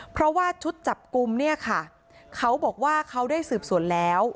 เพราะว่าชุดจับกลุ่มเนี่ยค่ะเขาบอกว่าเขาได้สืบสวนแล้ว